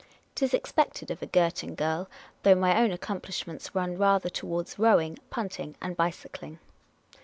'T is expected of a Girton girl, though my own accomplishments run rather towards rowing, punt ing, and bicycling.